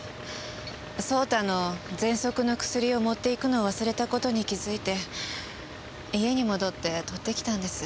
蒼太のぜんそくの薬を持っていくのを忘れた事に気づいて家に戻って取ってきたんです。